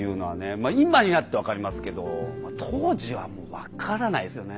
今になって分かりますけど当時はもう分からないですよね。